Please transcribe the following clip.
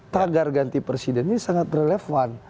tagar ganti presiden ini sangat relevan